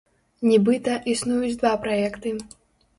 Нібыта, існуюць два праекты.